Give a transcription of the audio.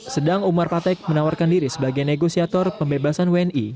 sedang umar patek menawarkan diri sebagai negosiator pembebasan wni